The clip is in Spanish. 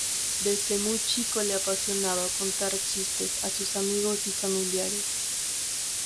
Desde muy chico le apasionaba contar chistes a sus amigos y familiares.